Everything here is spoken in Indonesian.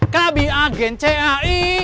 kami agen cai